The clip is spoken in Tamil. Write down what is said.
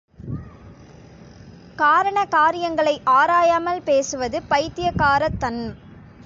காரண காரியங்களை ஆராயாமல் பேசுவது பைத்தியக்காரத்தன்ம்.